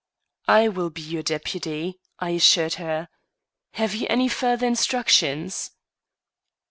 "I will be your deputy," I assured her. "Have you any further instructions?"